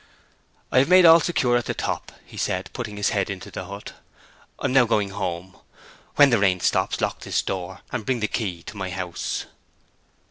'I have made all secure at the top,' he said, putting his head into the hut. 'I am now going home. When the rain stops, lock this door and bring the key to my house.'